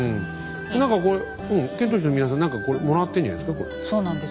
何かこれ遣唐使の皆さん何かこれもらってるんじゃないですか？